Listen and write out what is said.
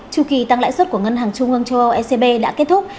trừ kỳ tăng lãi suất của ngân hàng trung ương châu âu ecb đã kết thúc